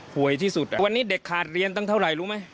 ที่สุดวันนี้เด็กขาดเรียนตั้งเท่าไหร่รู้ไหม